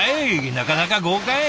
なかなか豪快！